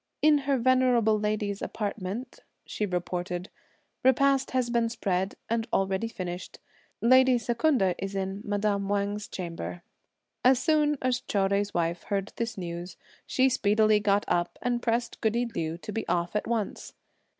"In her venerable lady's apartment," she reported, "repast has been spread, and already finished; lady Secunda is in madame Wang's chamber." As soon as Chou Jui's wife heard this news, she speedily got up and pressed goody Liu to be off at once.